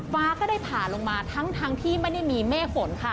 ฟ้าก็ได้ผ่าลงมาทั้งที่ไม่ได้มีเมฆฝนค่ะ